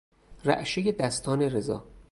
رعشهی دستان رضا